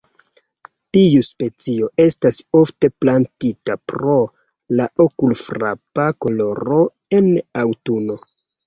Tiu specio estas ofte plantita pro la okulfrapa koloro en aŭtuno.